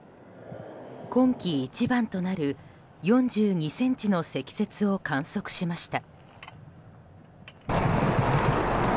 今季一番となる４２ｃｍの積雪を観測しました。